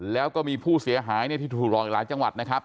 แล้วก็มีผู้เสียหายที่ถูกหลอกอีกหลายจังหวัดนะครับ